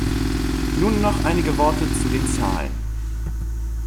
Nun noch einige Wort zu den Zahlen.